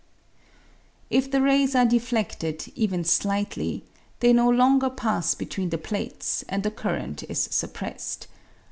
If the rays are defleded, even slightly, they no longer pass between the plates, and the current is suppressed.